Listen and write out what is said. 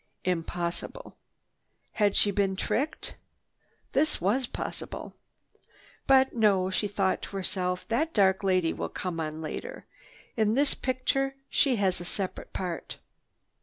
Impossible. Had she been tricked? This was possible. "But no," she thought to herself. "That dark lady will come on later. In this picture she has a separate part."